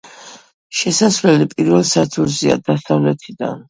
შესასვლელი პირველ სართულზეა, დასავლეთიდან.